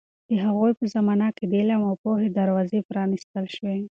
د هغوی په زمانه کې د علم او پوهې دروازې پرانیستل شوې.